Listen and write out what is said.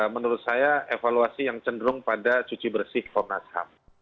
menurut saya evaluasi yang cenderung pada cuci bersih komnas ham